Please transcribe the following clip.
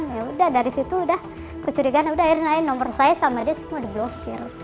ya udah dari situ udah kecurigaan udah akhirnya nomor saya sama dia semua diblokir